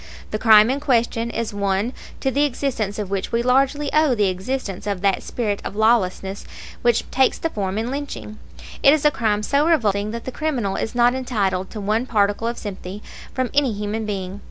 The crime in question is one to the existence of which we largely owe the existence of that spirit of lawlessness which takes form in lynching. It is a crime so revolting that the criminal is not entitled to one particle of sympathy from any human being.